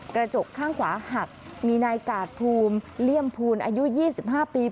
กระจกข้างขวาหักมีนายกาดพูมเลี่ยมพูนอายุยี่สิบห้าปี